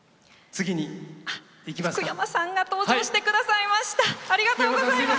福山さんが登場してくださいました。